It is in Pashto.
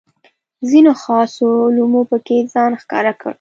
ځینو خاصو علومو پکې ځان ښکاره کړ.